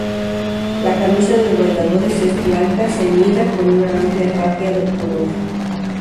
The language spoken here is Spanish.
La camisa de los bailadores es blanca ceñida con una amplia faja de color.